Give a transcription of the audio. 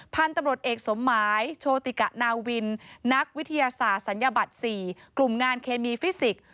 พันธุ์ตำรวจเอกสมหมายโชติกะนาวินนักวิทยาศาสตร์ศัลยบัตร๔กลุ่มงานเคมีฟิสิกส์